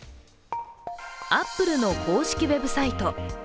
アップルの公式ウェブサイト。